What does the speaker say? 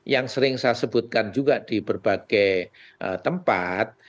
yang sering saya sebutkan juga di berbagai tempat